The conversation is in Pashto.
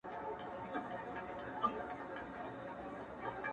ټولنه لا هم زده کړه کوي,